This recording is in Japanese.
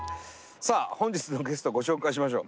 さあ本日のゲストをご紹介しましょう。